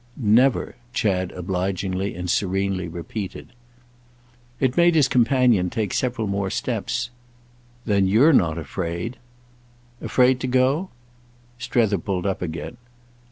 "Never," Chad obligingly and serenely repeated. It made his companion take several more steps. "Then you're not afraid." "Afraid to go?" Strether pulled up again.